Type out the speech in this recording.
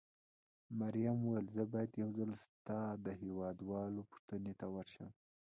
مريم وویل: زه باید یو ځل ستا د هېواد والاو پوښتنې ته ورشم.